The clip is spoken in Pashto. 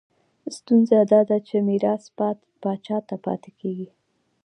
ستونزه دا ده چې میراث پاچا ته پاتې کېږي.